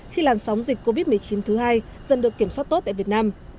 khi làn sóng dịch covid một mươi chín thứ hai dần được kiểm soát tốt tại việt nam